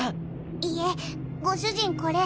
いえご主人これ。